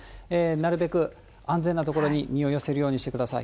なるべく安全な所に身を寄せるようにしてください。